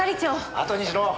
あとにしろ！